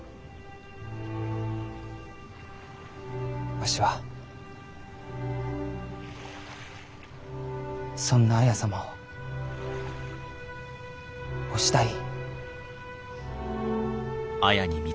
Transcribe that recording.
わしはそんな綾様をお慕い。